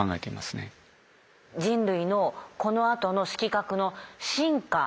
人類のこのあとの色覚の進化